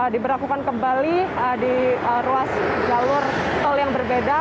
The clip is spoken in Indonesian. diberlakukan kembali di ruas jalur tol yang berbeda